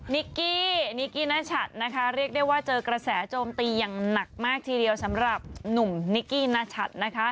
นิกกี้นิกกี้นชัดนะคะเรียกได้ว่าเจอกระแสโจมตีอย่างหนักมากทีเดียวสำหรับหนุ่มนิกกี้นชัดนะคะ